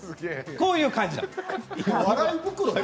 こういう感じです。